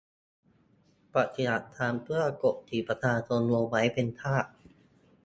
ปฏิบัติการเพื่อกดขี่ประชาชนลงไว้เป็นทาส